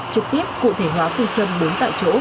trực tiếp cụ thể hóa phương châm bốn tại chỗ